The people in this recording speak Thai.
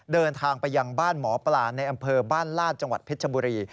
เดินทางไปยังบ้านหมอปลาในอำเภอบ้านลาดจังหวัดเพชรบุรี